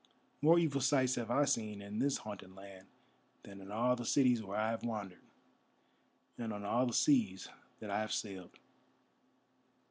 More evil sights have I seen in this haunted land than in all the cities where I have wandered, and on all the seas that I have sailed."